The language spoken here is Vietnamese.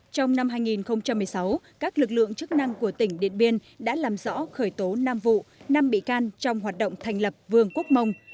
trong năm hai nghìn một mươi sáu các lực lượng chức năng của tỉnh điện biên đã làm rõ khởi tố năm vụ năm bị can trong hoạt động thành lập vương quốc mông